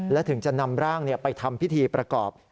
และถึงจะนำร่างไปทำพิธีประกอบ